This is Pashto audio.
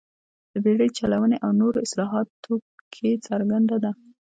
د بېړۍ چلونې او نورو اصلاحاتو کې څرګنده ده.